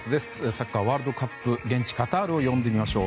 サッカーワールドカップ現地カタールを呼んでみましょう。